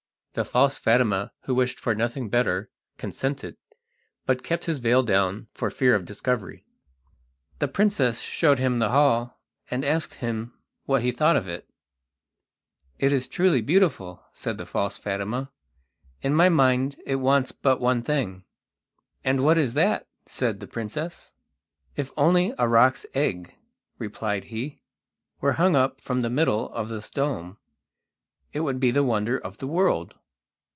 The false Fatima, who wished for nothing better, consented, but kept his veil down for fear of discovery. The princess showed him the hall, and asked him what he thought of it. "It is truly beautiful," said the false Fatima. "In my mind it wants but one thing." "And what is that?" said the princess. "If only a roc's egg," replied he, "were hung up from the middle of this dome, it would be the wonder of the world."